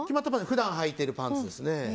普段はいているパンツですね